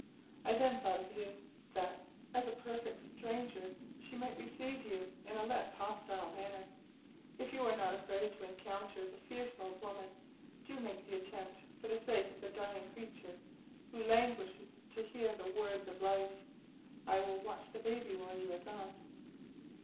I then thought of you, that, as a perfect stranger, she might receive you in a less hostile manner. If you are not afraid to encounter the fierce old woman, do make the attempt for the sake of the dying creature, who languishes to hear the words of life. I will watch the baby while you are gone."